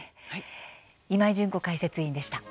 今井純子解説委員でした。